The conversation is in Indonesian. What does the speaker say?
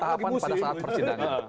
tahapan pada saat persidangan